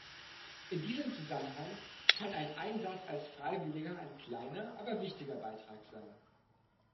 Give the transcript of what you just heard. In diesem Zusammenhang kann ein Einsatz als Freiwilliger ein kleiner, aber wichtiger Beitrag sein.